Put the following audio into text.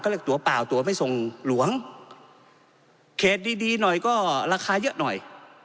เรียกตัวเปล่าตัวไม่ส่งหลวงเขตดีดีหน่อยก็ราคาเยอะหน่อย